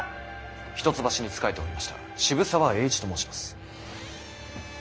一橋に仕えておりました渋沢栄一と申します。